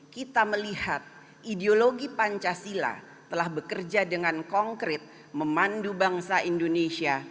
kita melihat ideologi pancasila telah bekerja dengan konkret memandu bangsa indonesia